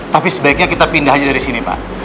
tapi sebaiknya kita pindah aja dari sini pak